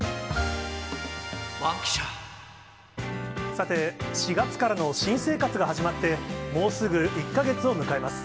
さて、４月からの新生活が始まって、もうすぐ１か月を迎えます。